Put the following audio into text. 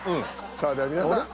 さあでは皆さん